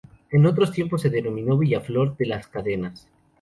En otros tiempos se denominó Villaflor de las Cadenas.